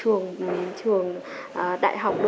ở trường đại học